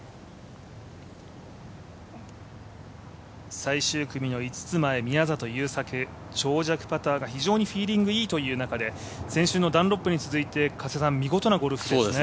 最終組の５つ前、宮里優作、長尺パターが非常にフィーリングがいいという中で先週のダンロップに続いて見事なゴルフですね。